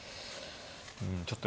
うんちょっと。